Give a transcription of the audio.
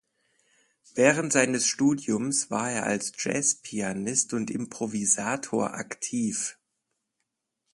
Während seines Studiums war er als Jazzpianist und Improvisator aktiv.